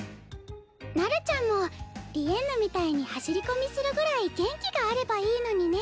なるちゃんもリエンヌみたいに走り込みするぐらい元気があればいいのにね。